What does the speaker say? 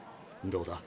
どうだ？